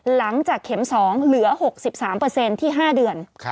หลังจากเข็ม๒เหลือ๖๓ที่๕เดือน